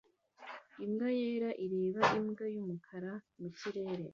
Imbwa yera ireba imbwa yumukara mu kirere